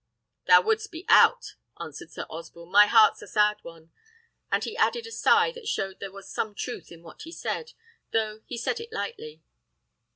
"Thou wouldst be out," answered Sir Osborne: "my heart's a sad one;" and he added a sigh that showed there was some truth in what he said, though he said it lightly.